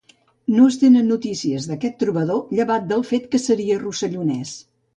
No es tenen notícies d'aquest trobador llevat del fet que seria rossellonès.